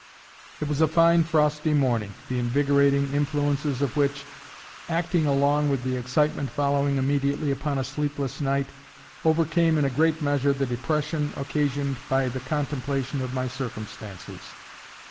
It was a fine frosty morning, the invigorating influences of which, acting along with the excitement following immediately upon a sleepless night, overcame in a great measure the depression occasioned by the contemplation of my circumstances.